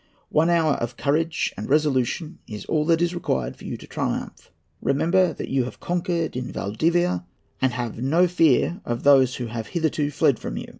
One hour of courage and resolution is all that is required for you to triumph. Remember that you have conquered in Valdivia, and have no fear of those who have hitherto fled from you.